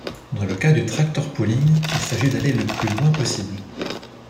Dans le cas du tractor pulling, il s'agit d'aller le plus loin possible.